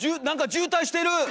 何か渋滞してる！